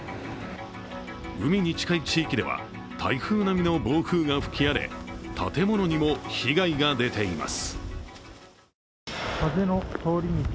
海に近い地域では台風並みの暴風が吹き荒れ建物にも被害が出ています。